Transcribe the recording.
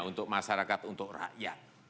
untuk masyarakat untuk rakyat